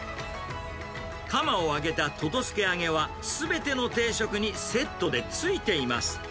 カマを揚げたととすけ揚げは、すべての定食にセットでついています。